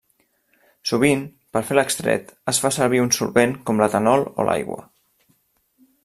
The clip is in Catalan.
Sovint per a fer l'extret es fa servir un solvent com l'etanol o l'aigua.